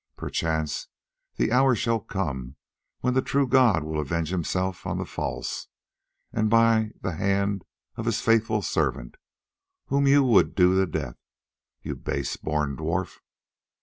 "Perchance the hour shall come when the true god will avenge himself on the false, and by the hand of his faithful servant, whom you would do to death, you base born dwarf."